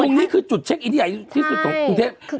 นี่คือจุดเช็คอินที่ใหญ่ที่สุดของกรุงเทพ